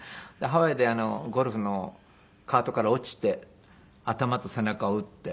ハワイでゴルフのカートから落ちて頭と背中を打って。